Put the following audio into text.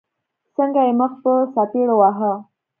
څنګه يې مخ په څپېړو واهه.